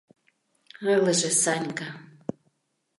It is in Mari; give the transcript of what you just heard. — Ылыже Санька.